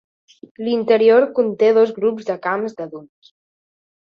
L'interior conté dos grups de camps de dunes.